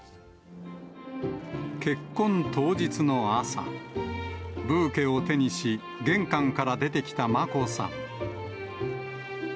結婚当日の朝、ブーケを手にし、玄関から出てきた眞子さん。